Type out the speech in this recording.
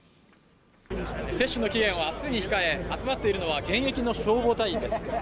接種の期限は既に控え、集まっているのは現役の消防隊員です。